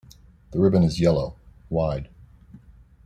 The ribbon is yellow, wide.